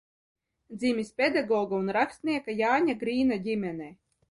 Dzimis pedagoga un rakstnieka Jāņa Grīna ģimenē.